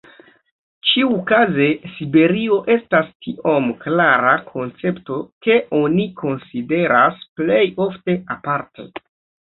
Ĉiukaze Siberio estas tiom klara koncepto ke oni konsideras plej ofte aparte.